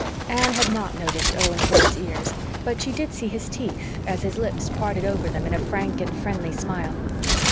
Anne had not noticed Owen Ford's ears, but she did see his teeth, as his lips parted over them in a frank and friendly smile.